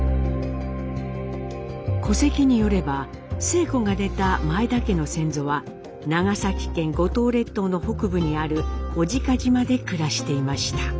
戸籍によれば晴子が出た前田家の先祖は長崎県五島列島の北部にある小値賀島で暮らしていました。